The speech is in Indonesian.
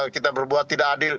kita berbuat tidak adil